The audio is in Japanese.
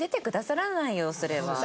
それは。